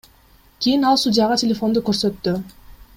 Кийин ал судьяга телефонду көрсөттү.